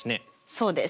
そうです。